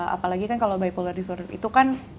apalagi kan kalau bipolar disorder itu kan